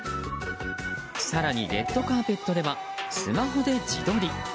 更にレッドカーペットではスマホで自撮り。